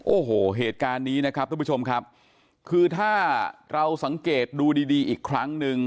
โอ้โหเหตุการณ์นี้นะครับทุกผู้ชมครับคือถ้าเราสังเกตดูดีดีอีกครั้งหนึ่ง